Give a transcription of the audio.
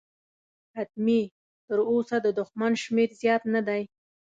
حتمي، تراوسه د دښمن شمېر زیات نه دی.